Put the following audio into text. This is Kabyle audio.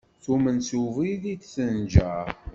Tumen s ubrid i d-tenjer.